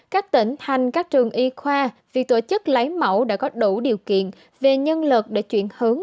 các tỉnh thành các trường y khoa việc tổ chức lấy mẫu đã có đủ điều kiện về nhân lực để chuyển hướng